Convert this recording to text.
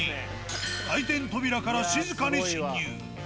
回転扉から静かに侵入。